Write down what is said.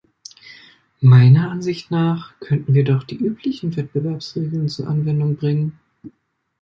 Meiner Ansicht nach könnten wir doch die üblichen Wettbewerbsregeln zur Anwendung bringen.